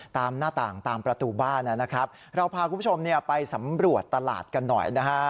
หน้าต่างตามประตูบ้านนะครับเราพาคุณผู้ชมไปสำรวจตลาดกันหน่อยนะฮะ